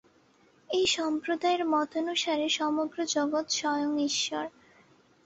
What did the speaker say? এই সম্প্রদায়ের মতানুসারে সমগ্র জগৎ স্বয়ং ঈশ্বর।